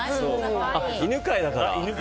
あっ、犬飼だから？